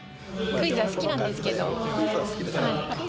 クイズは大好きなんですけど。